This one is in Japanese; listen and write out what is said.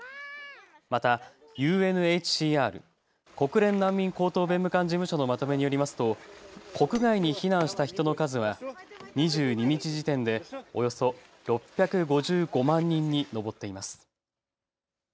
またＵＮＨＣＲ・国連難民高等弁務官事務所のまとめによりますと国外に避難した人の数は２２日時点でおよそ６５５万人に上っています。